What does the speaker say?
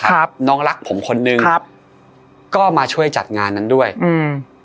ครับน้องรักผมคนนึงครับก็มาช่วยจัดงานนั้นด้วยอืม